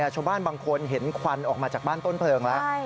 ชาวบ้านบางคนเห็นควันออกมาจากบ้านต้นเพลิงแล้ว